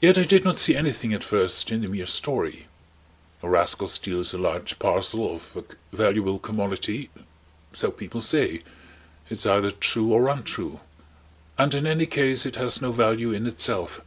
Yet I did not see anything at first in the mere story. A rascal steals a large parcel of a valuable commodity so people say. It's either true or untrue; and in any case it has no value in itself.